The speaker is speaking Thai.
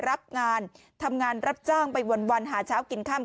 รับงานทำงานรับจ้างไปวันหาเช้ากินค่ำ